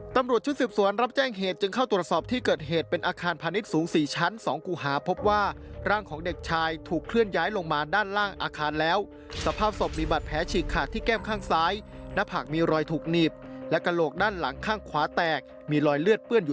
ตำรวจชุดสิบสวนรับแจ้งเหตุจึงเข้าตรวจสอบที่เกิดเหตุ